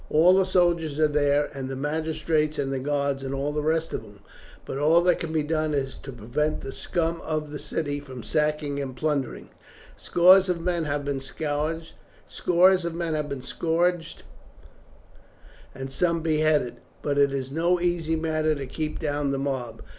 All the soldiers are there, and the magistrates and the guards, and all the rest of them, but all that can be done is to prevent the scum of the city from sacking and plundering. Scores of men have been scourged and some beheaded, but it is no easy matter to keep down the mob.